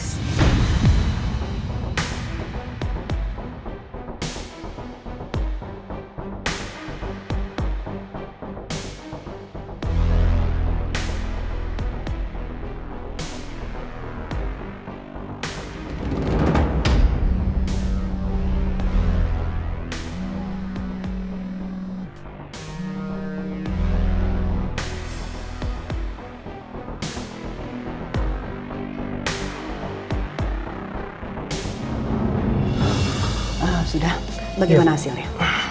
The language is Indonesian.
sudah bagaimana hasilnya